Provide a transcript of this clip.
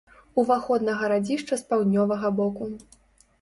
Уваход на гарадзішча з паўднёвага боку.